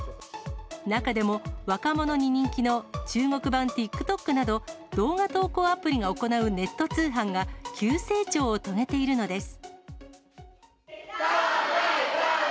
中でも、若者に人気の中国版ＴｉｋＴｏｋなど、動画投稿アプリが行うネット通販が急成長を遂げているのです。